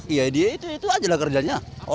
iya dia itu itu aja lah kerjanya